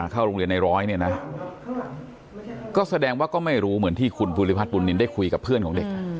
เข้าโรงเรียนในร้อยเนี่ยนะก็แสดงว่าก็ไม่รู้เหมือนที่คุณภูริพัฒนบุญนินได้คุยกับเพื่อนของเด็ก